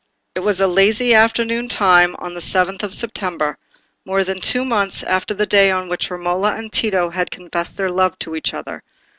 It was the lazy afternoon time on the seventh of September, more than two months after the day on which Romola and Tito had confessed their love to each other.